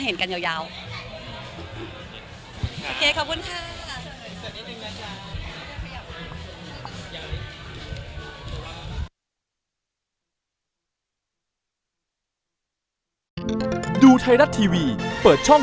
แฟนก็เหมือนละครมันยังไม่มีออนอะไรอย่างนี้มากกว่าไม่รับปีละเรื่องเองอ่ะ